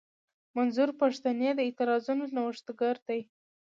منظور پښتين د اعتراضونو نوښتګر دی.